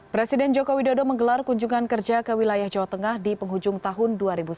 presiden joko widodo menggelar kunjungan kerja ke wilayah jawa tengah di penghujung tahun dua ribu sembilan belas